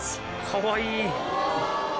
かわいい。